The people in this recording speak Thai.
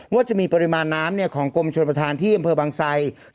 ว่าจะมีปริมาณน้ำของกรมชนประธานที่อำเภอบางไซ